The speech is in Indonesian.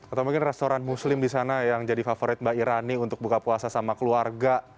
atau mungkin restoran muslim di sana yang jadi favorit mbak irani untuk buka puasa sama keluarga